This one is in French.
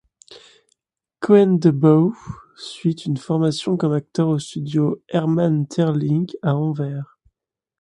Koen De Bouw suit une formation comme acteur au Studio Herman Teirlinck à Anvers.